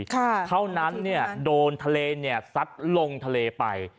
เท่านั้นโดนทะเลสัดลงทะเลไป